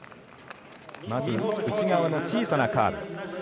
まず、内側の小さなカーブ。